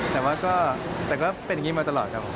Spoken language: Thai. แต่ก็เป็นงี้มาตลอดค่ะ